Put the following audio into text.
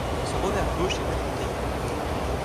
Son revers gauche est réputé.